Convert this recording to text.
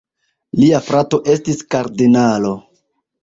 Lia frato estis kardinalo.